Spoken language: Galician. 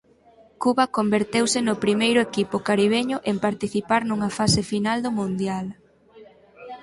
Cuba converteuse no primeiro equipo caribeño en participar nunha fase final do Mundial.